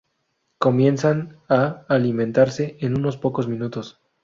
Comienzan a alimentarse en unos pocos minutos.